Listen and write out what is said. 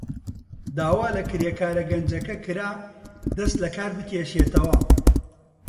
داوا لە کرێکارە گەنجەکە کرا دەست لەکار بکێشێتەوە.